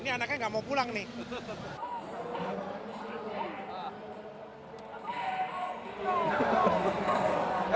ini anaknya nggak mau pulang nih